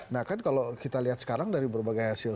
nah kan kalau kita lihat sekarang dari berbagai hasil